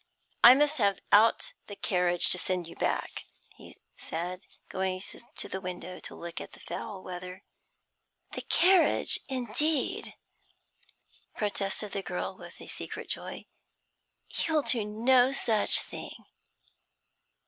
'I must have out the carriage to send you back,' he said, going to the window to look at the foul weather. 'The carriage, indeed!' protested the girl, with a secret joy. 'You'll do no such thing.'